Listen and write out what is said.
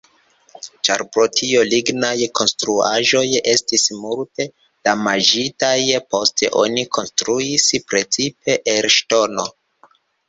Ĉar pro tio lignaj konstruaĵoj estis multe damaĝitaj, poste oni konstruis precipe el ŝtono.